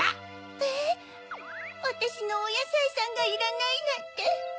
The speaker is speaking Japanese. えぇ⁉わたしのおやさいさんがいらないなんて。